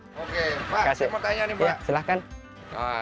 oke pak saya mau tanya nih pak silahkan